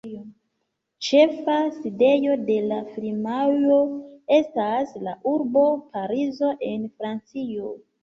Ĉefa sidejo de la firmao estas la urbo Parizo en Francio.